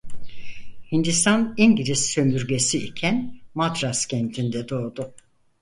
Hindistan İngiliz sömürgesi iken Madras kentinde doğdu.